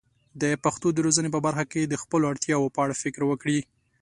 د پښتو د روزنې په برخه کې د خپلو اړتیاوو په اړه فکر وکړي.